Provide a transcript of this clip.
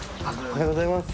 おはようございます。